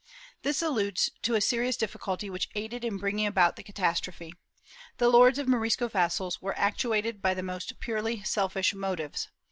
^ This alludes to a serious difficulty which aided in bringing about the catastrophe. The lords of Morisco vassals were actuated by the most purely selfish motives.